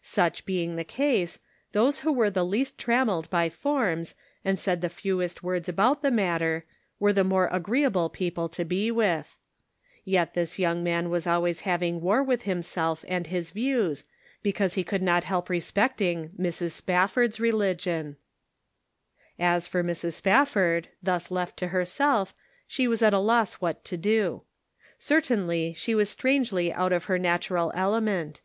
Such being the case, those who were the least trammeled by forms, and said the fewest words about the matter, were the more agreeable people to be with. Yet this young man was always having war with himself and his views, because he could not help respecting Mrs. Spafford's re ligion. As for Mrs. Spafford, thus left to herself, she was at a loss what to do. Certainly she was strangely out of her natural element.